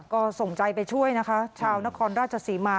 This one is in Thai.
ก็ส่งใจไปช่วยนะคะชาวนครราชศรีมา